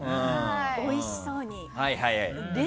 おいしそうに。